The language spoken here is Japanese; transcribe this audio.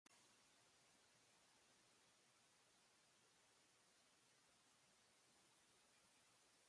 証券会社が行う公社債の売買の多くは自己売買によるものとなっている。